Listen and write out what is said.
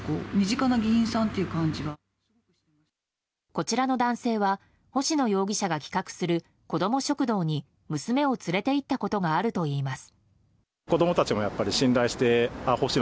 こちらの男性は星野容疑者が企画するこども食堂に娘を連れて行ったことがあるといいます。